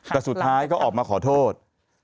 แต่สุดท้ายก็ออกมาขอโทษ